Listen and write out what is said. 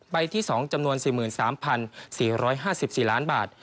ที่๒จำนวน๔๓๔๕๔ล้านบาท